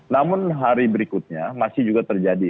namun hari berikutnya masih juga terjadi